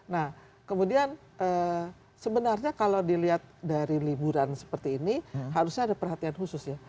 nah kemudian sebenarnya kalau dilihat dari liburan seperti ini harusnya ada perhatian khusus ya